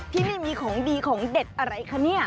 ที่นี่มีของดีของเด็ดอะไรคะเนี่ย